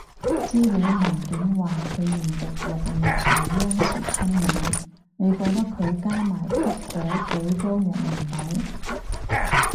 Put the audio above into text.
資料文件話佢連續六年上央視春晚，你覺得佢加埋吸咗幾多人民幣？